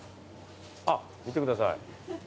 あっ見てください。